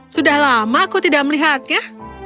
sudah lama aku tidak melihatnya